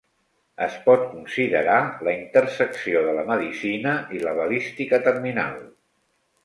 Es pot considerar la intersecció de la medicina i la balística terminal.